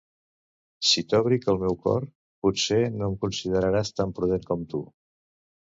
Si t'òbric l meu cor, potser no em consideraràs tan prudent com tu.